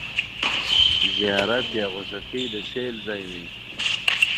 زیارت یا غوڅکۍ د سېل ځای دی.